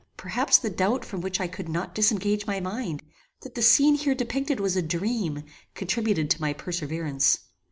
Perhaps the doubt from which I could not disengage my mind, that the scene here depicted was a dream, contributed to my perseverance.